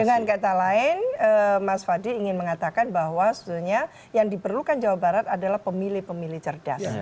dengan kata lain mas fadli ingin mengatakan bahwa sebetulnya yang diperlukan jawa barat adalah pemilih pemilih cerdas